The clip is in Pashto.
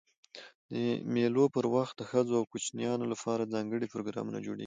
د مېلو پر وخت د ښځو او کوچنيانو له پاره ځانګړي پروګرامونه جوړېږي.